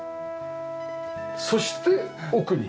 そして奥に。